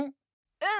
うん！